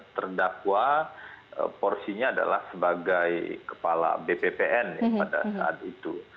terdakwa porsinya adalah sebagai kepala bppn pada saat itu